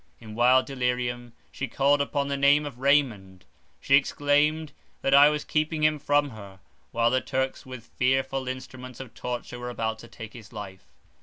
In wild delirium she called upon the name of Raymond; she exclaimed that I was keeping him from her, while the Turks with fearful instruments of torture were about to take his life.